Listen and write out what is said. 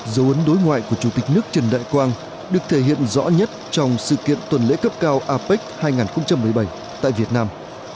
dấu ấn đối ngoại của chủ tịch nước trần đại quang được thể hiện rõ nhất trong sự kiện tuần lễ cấp cao apec hai nghìn một mươi bảy tại việt nam